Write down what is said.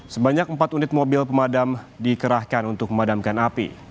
sebanyak empat unit mobil pemadam dikerahkan untuk memadamkan api